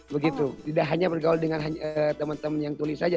begitu tidak hanya bergaul dengan teman teman yang tulis saja